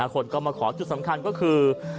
คนก็มาขอจุดสำคัญก็คือ